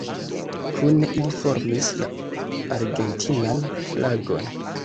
Kune ili formis la argentinan flagon.